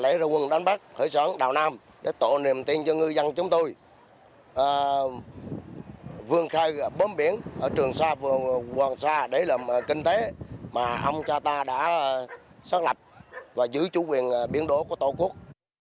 lễ độ quân đánh bắt hải sản đào nam để tổ niềm tin cho ngư dân chúng tôi vươn khai bóm biển ở trường xa vườn hoàng sa để làm kinh tế mà ông cha ta đã xác lạch và giữ chủ quyền biển đổ của tổ quốc